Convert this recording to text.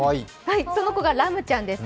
その子がラムちゃんです。